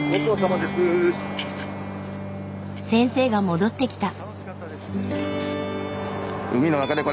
先生が戻ってきた。